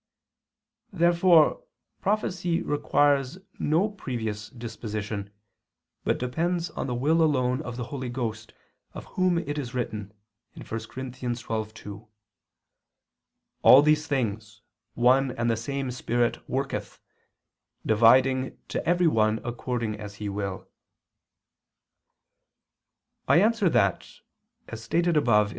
Therefore prophecy requires no previous disposition, but depends on the will alone of the Holy Ghost, of Whom it is written (1 Cor. 12:2): "All these things, one and the same Spirit worketh, dividing to every one according as He will." I answer that, As stated above (A.